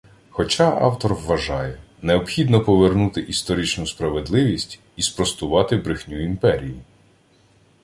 Хоча автор вважає: необхідно повернути історичну справедливість і спростувати брехню імперії